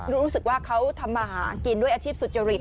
รู้สึกว่าเขาทำมาหากินด้วยอาชีพสุจริต